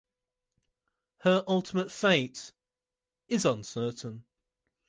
Her ultimate fate is uncertain.